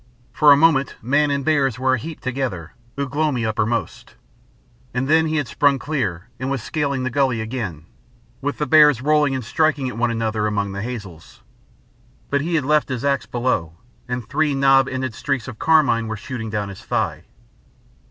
For a moment, man and bears were a heap together, Ugh lomi uppermost; and then he had sprung clear and was scaling the gully again, with the bears rolling and striking at one another among the hazels. But he had left his axe below, and three knob ended streaks of carmine were shooting down his thigh.